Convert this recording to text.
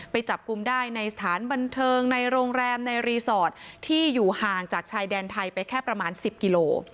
ไปจับกลุ่มได้ในสถานบันเทิงในโรงแรมในรีสอร์ทที่อยู่ห่างจากชายแดนไทยไปแค่ประมาณ๑๐กิโล